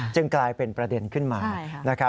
กลายเป็นประเด็นขึ้นมา